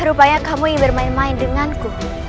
rupanya kamu yang bermain main denganku